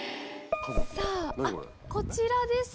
さぁあっこちらですね。